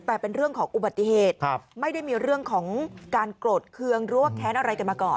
แต่เป็นเรื่องของอุบัติเหตุไม่ได้มีเรื่องของการโกรธเคืองหรือว่าแค้นอะไรกันมาก่อน